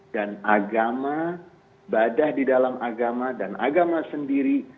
dan agama badah di dalam agama dan agama sendiri